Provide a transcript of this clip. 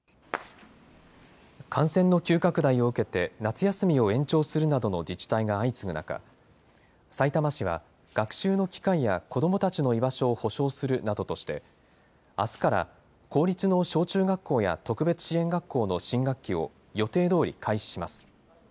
感染の急拡大を受けて、夏休みを延長するなどの自治体が相次ぐ中、さいたま市は、学習の機会や子どもたちの居場所を保障するなどとして、あすから公立の小中学校や特別支援学校の新学期を予定どおり開始します。